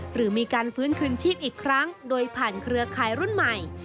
หรือมีการฟื้นคืนชีพอีกครั้งโดยผ่านเครือข่ายรุ่นใหม่